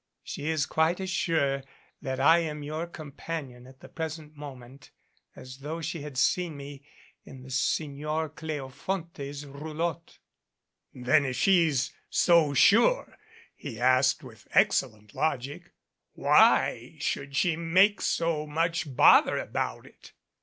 She is quite as sure that I am your com panion at the present moment as though she had seen me in the Signer Cleofonte's roulotte." "Then if she is so sure," he asked with excellent logic, "why should she make so much bother about it?"